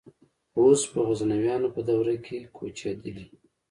غوز په غزنویانو په دوره کې کوچېدلي.